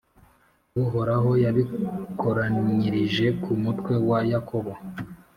Uhoraho yabikoranyirije ku mutwe wa Yakobo,